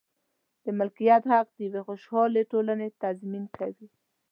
د مالکیت حق د یوې خوشحالې ټولنې تضمین کوي.